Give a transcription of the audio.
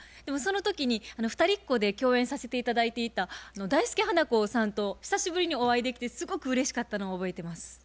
でもその時に「ふたりっ子」で共演させて頂いていた大助・花子さんと久しぶりにお会いできてすごくうれしかったのを覚えてます。